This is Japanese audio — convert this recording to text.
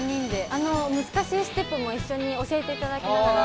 あの難しいステップも一緒に教えていただきながら。